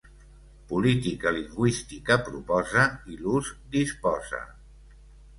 Política lingüística proposa i l'ús disposa.